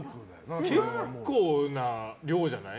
結構な量じゃない。